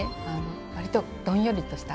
わりとどんよりとしたお天気で。